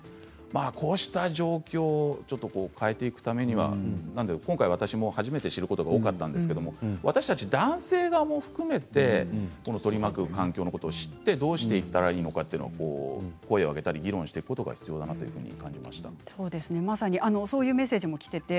こうした状況をちょっと変えていくためには今回、私も初めて知ることが多かったんですけど私たち男性側も含めて取り巻く環境のことを知ってどうしていったらいいのかというのを声を上げたり議論していくことがまさに、そういうメッセージもきています。